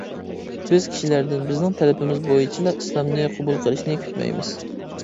بىز كىشىلەردىن بىزنىڭ تەلىپىمىز بويىچىلا ئىسلامنى قوبۇل قىلىشنى كۈتمەيمىز.